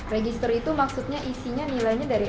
register itu maksudnya isinya nilainya dari